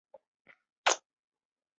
同时由萧子良与萧鸾辅政。